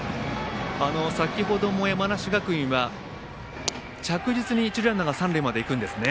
先ほども山梨学院は着実に一塁ランナーが三塁まで行くんですね。